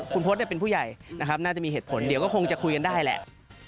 คุณพศเป็นผู้ใหญ่นะครับน่าจะมีเหตุผลเดี๋ยวก็คงจะคุยกันได้แหละ